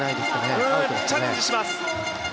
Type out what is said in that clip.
チャレンジします。